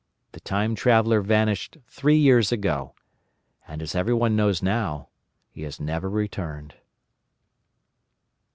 The Time Traveller vanished three years ago. And, as everybody knows now, he has never returned.